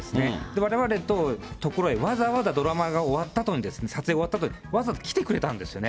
われわれの所へわざわざドラマが終わったあとに、撮影が終わったあとにわざわざ来てくれたんですよね。